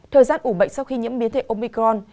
thời gian ủ bệnh sau khi nhiễm biến thể omicron